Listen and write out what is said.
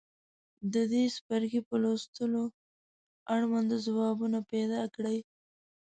د دې څپرکي په لوستلو اړونده ځوابونه پیداکړئ.